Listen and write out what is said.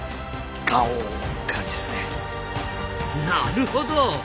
なるほど。